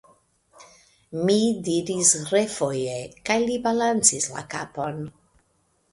mi diris refoje, kaj li balancis la kapon.